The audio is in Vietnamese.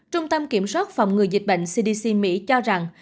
trung tâm kiểm soát phòng ngừa dịch bệnh cdc mỹ cho rằng